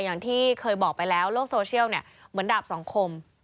อย่างที่เคยบอกไปแล้วโลกโซเชียลเนี่ยเหมือนดาบสองคม